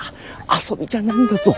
遊びじゃないんだぞ。